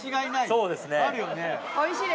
そうですね。